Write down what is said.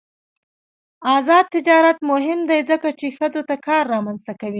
آزاد تجارت مهم دی ځکه چې ښځو ته کار رامنځته کوي.